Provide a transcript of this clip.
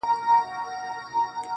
زه به غمو ته شاعري كومه.